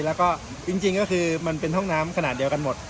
แล้วก็จริงก็คือมันเป็นห้องน้ำขนาดเดียวกันหมด